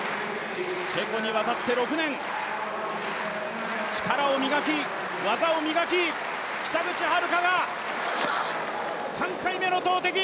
チェコに渡って６年、力を磨き技を磨き、北口榛花が３回目の投てき。